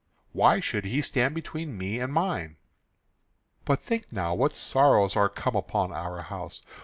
"Why should he stand between me and mine?" "But think now what sorrows are come upon our house.